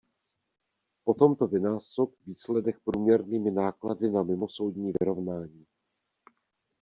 Potom to vynásob výsledek průměrnými náklady na mimosoudní vyrovnání.